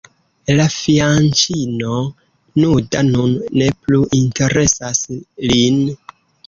La fianĉino nuda nun ne plu interesas lin.